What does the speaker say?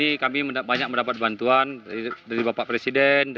oke terus kemudian